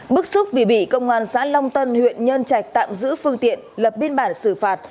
bức xúc vì bị công an xã long tân huyện nhân trạch tạm giữ phương tiện lập biên bản xử phạt